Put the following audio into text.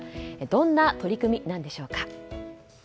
どんな取り組みなんでしょうか。